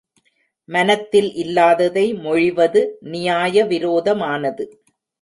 மனத்தில் இல்லாததை மொழிவது நியாய விரோதமானது.